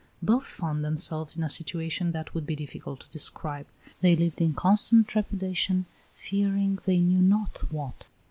Both found themselves in a situation that would be difficult to describe. They lived in constant trepidation, fearing they knew not what.